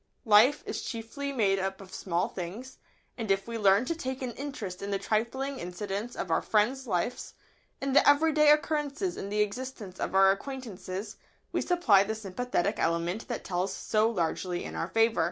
] Life is chiefly made up of small things, and if we learn to take an interest in the trifling incidents of our friends' lives, in the everyday occurrences in the existence of our acquaintances, we supply the sympathetic element that tells so largely in our favour.